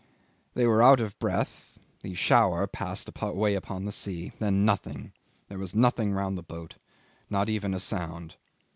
... They were out of breath; the shower passed away upon the sea. Then nothing. There was nothing round the boat, not even a sound.